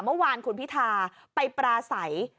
เมื่อวานคุณพิธาไปปราศัย